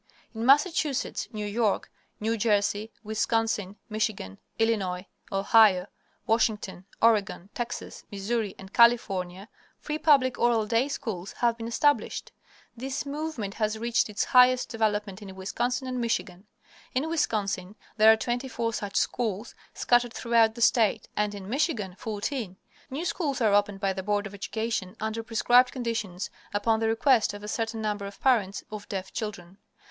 In Massachusetts, New York, New Jersey, Wisconsin, Michigan, Illinois, Ohio, Washington, Oregon, Texas, Missouri, and California, free public oral day schools have been established. This movement has reached its highest development in Wisconsin and Michigan. In Wisconsin there are twenty four such schools scattered throughout the state, and in Michigan fourteen. New schools are opened by the Board of Education under prescribed conditions upon the request of a certain number of parents of deaf children.